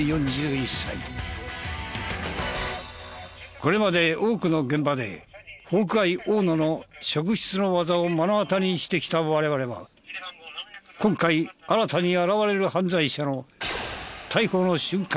これまで多くの現場でホークアイ大野の職質の技を目の当たりにしてきた我々は今回新たに現れる犯罪者の逮捕の瞬間に遭遇。